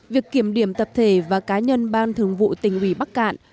việc kiểm điểm tập thể và cá nhân ban thường vụ tỉnh ủy bắc cạn